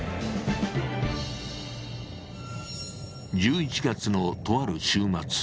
１１月のとある週末。